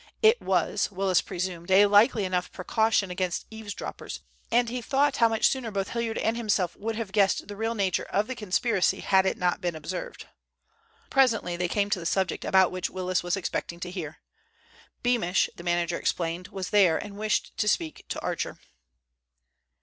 It was, Willis presumed, a likely enough precaution against eavesdroppers, and he thought how much sooner both Hilliard and himself would have guessed the real nature of the conspiracy, had it not been observed. Presently they came to the subject about which Willis was expecting to hear. Beamish, the manager explained, was there and wished to speak to Archer.